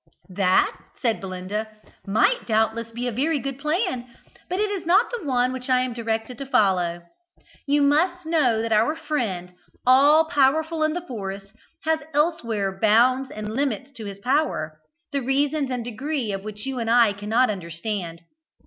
"That," said Belinda, "might doubtless be a very good plan, but it is not the one which I am directed to follow. You must know that our friend, all powerful in the forest, has elsewhere bounds and limits to his power, the reasons and degree of which you and I cannot understand.